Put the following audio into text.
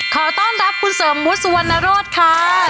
ขอต้อนรับคุณเสมอมุษวนรสค่ะ